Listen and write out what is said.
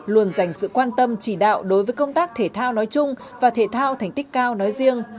luôn dành sự quan tâm chỉ đạo đối với công tác thể thao nói chung và thể thao thành tích cao nói riêng